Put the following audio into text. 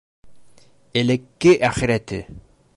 Элекке әхирәте!